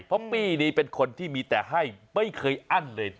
เพราะปี้นี่เป็นคนที่มีแต่ให้ไม่เคยอั้นเลย